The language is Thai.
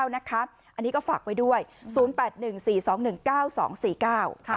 อ๋อ๙๒๔๙นะครับอันนี้ก็ฝากไว้ด้วย๐๘๑๔๒๑๙๒๔๙ค่ะ